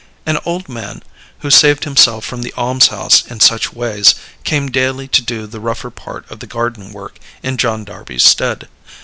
An old man, who saved himself from the almshouse in such ways, came daily to do the rougher part of the garden work in John Darby's stead.